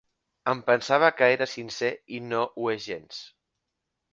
Em pensava que era sincer, i no ho és gens.